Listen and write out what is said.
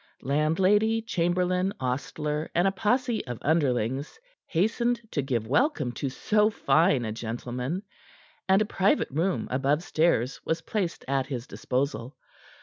Landlady, chamberlain, ostler and a posse of underlings hastened to give welcome to so fine a gentleman, and a private room above stairs was placed at his disposal.